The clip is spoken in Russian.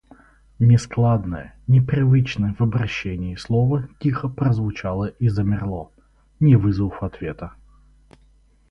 Нескладное, непривычное в обращении слово тихо прозвучало и замерло, не вызвав ответа.